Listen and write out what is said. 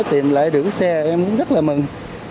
để rửa xe em cũng rất là mừng